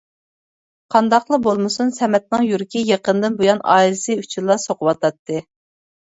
قانداقلا بولمىسۇن سەمەتنىڭ يۈرىكى يېقىندىن بۇيان ئائىلىسى ئۈچۈنلا سوقۇۋاتاتتى.